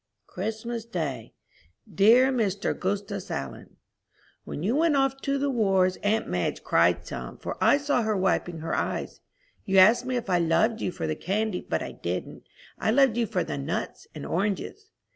CHRISTMAS DAY. DEAR MR. 'GUSTUS ALLEN: When you went off to the wars aunt Madge cried some, for I saw her wiping her eyes. You asked me if I loved you for the candy, but I didn't; I loved you for the nuts and oranges.